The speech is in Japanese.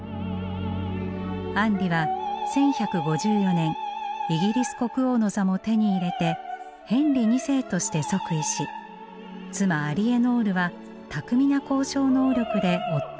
アンリは１１５４年イギリス国王の座も手に入れてヘンリー二世として即位し妻アリエノールは巧みな交渉能力で夫を支えます。